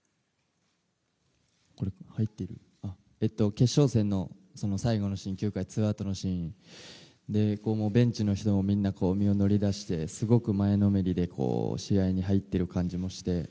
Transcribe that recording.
決勝戦の最後のシーン９回ツーアウトのシーンでベンチの人もみんな身を乗り出してすごく前のめりで試合に入ってる感じもして。